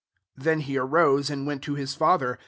20 Then he arose, and went to his father.